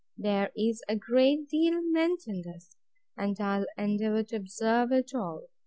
There is a great deal meant in this; and I'll endeavour to observe it all.